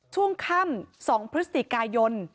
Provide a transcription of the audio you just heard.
ช่วงค่ำ๒พฤศจิกายน